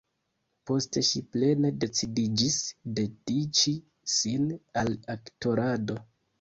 Poste ŝi plene decidiĝis dediĉi sin al aktorado.